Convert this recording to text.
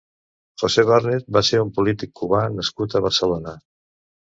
José Barnet va ser un polític cubà nascut a Barcelona.